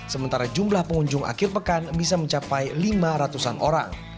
sementara jumlah pengunjung akhir pekan bisa mencapai lima ratus an orang